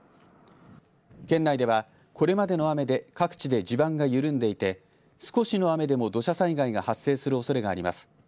県内ではこれまでの雨で各地で地盤が緩んでいて少しの雨でも土砂災害が発生するおそれがあります。